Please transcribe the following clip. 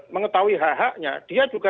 mengetahui hak haknya dia juga